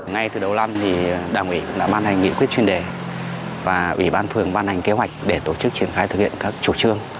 ngay từ đầu năm đảng ủy đã ban hành nghị quyết chuyên đề và ủy ban phường ban hành kế hoạch để tổ chức triển khai thực hiện các chủ trương